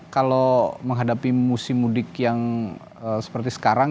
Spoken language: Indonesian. kalau menghadapi musim mudik yang seperti sekarang